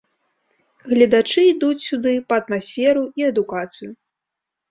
Гледачы ідуць сюды па атмасферу і адукацыю.